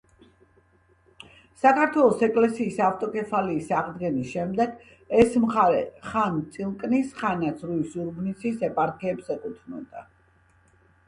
საქართველოს ეკლესიის ავტოკეფალიის აღდგენის შემდეგ, ეს მხარე ხან წილკნის, ხანაც რუის-ურბნისის ეპარქიებს ეკუთვნოდა.